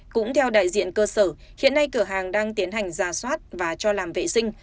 cũng theo đại diện cơ sở hiện nay cửa hàng đang tiến hành giả soát và cho làm vệ sinh